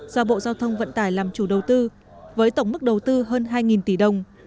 do bộ giao thông vận tải làm chủ đầu tư với tổng mức đầu tư hơn hai tỷ đồng